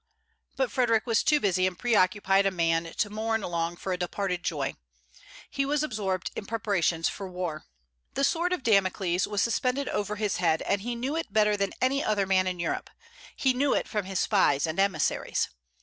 But Frederic was too busy and pre occupied a man to mourn long for a departed joy. He was absorbed in preparations for war. The sword of Damocles was suspended over his head, and he knew it better than any other man in Europe; he knew it from his spies and emissaries.